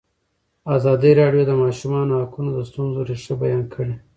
ازادي راډیو د د ماشومانو حقونه د ستونزو رېښه بیان کړې.